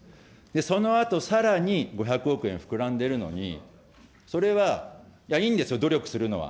そのあとさらに５００億円膨らんでるのに、それは、いいんですよ、努力するのは。